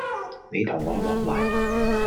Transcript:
你同我落黎!